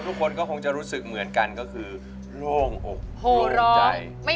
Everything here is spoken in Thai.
นักลงหายลบคำหนึ่งคำ